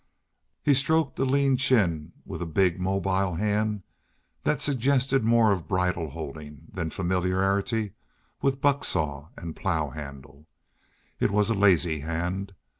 He stroked a lean chin with a big mobile hand that suggested more of bridle holding than familiarity with a bucksaw and plow handle. It was a lazy hand.